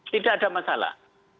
tidak ada masalah